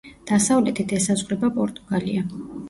დასავლეთით ესაზღვრება პორტუგალია.